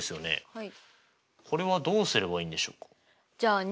はい。